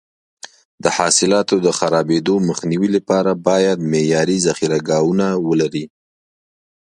د حاصلاتو د خرابېدو مخنیوي لپاره باید معیاري ذخیره ګاهونه ولري.